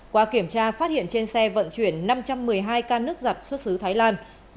qua kiểm tra phát hiện trên xe vận chuyển năm trăm một mươi hai can nước giặt xuất xứ thái lan